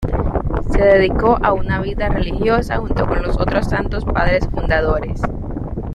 Se dedicó a una vida religiosa junto con los otros santos padres fundadores.